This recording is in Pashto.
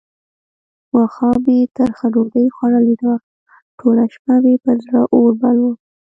ماښام مې ترخه ډوډۍ خوړلې وه؛ ټوله شپه مې پر زړه اور بل وو.